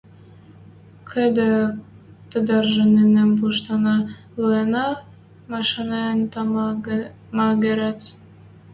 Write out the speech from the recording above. Кыды тадаржы, нинӹм пуштына, лӱэнӓ машанен, тама, мӓгӹрӓт.